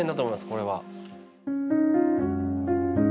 これは。